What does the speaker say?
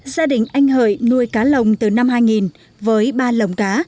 gia đình anh hợi nuôi cá lồng từ năm hai nghìn với ba lồng cá